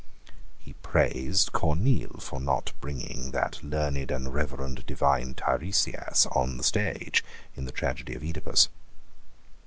He praised Corneille for not bringing that learned and reverend divine Tiresias on the stage in the tragedy of Oedipus.